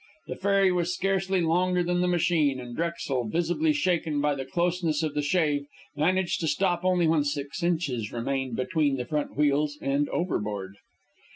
The ferry was scarcely longer than the machine, and Drexel, visibly shaken by the closeness of the shave, managed to stop only when six inches remained between the front wheels and overboard.